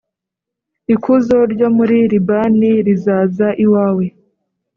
ikuzo ryo muri libani rizaza iwawe,